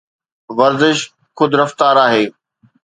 ورزش خود رفتار آهي